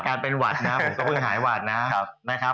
นำไปสู่การเวลาและขัดเป็นหวัด